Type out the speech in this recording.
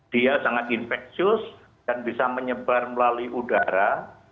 dia sangat infeksius dan bisa menyebar melalui udara